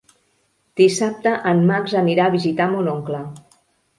Dissabte en Max anirà a visitar mon oncle.